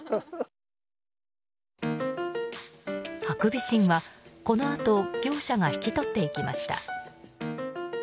ハクビシンは、このあと業者が引き取っていきました。